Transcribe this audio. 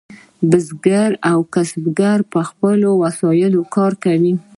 بزګر او کسبګر په خپلو وسایلو کار کوي.